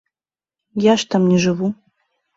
Я ж там не жыву.